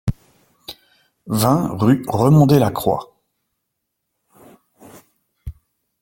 vingt rue Remondet Lacroix